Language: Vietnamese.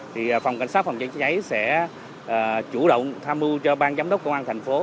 thì phòng cảnh sát phòng cháy chữa cháy sẽ chủ động tham mưu cho bang giám đốc công an thành phố